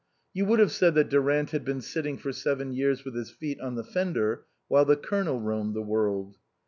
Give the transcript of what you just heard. You would have said that Durant had been sitting for seven years with his feet on the fen der while the Colonel roamed the world.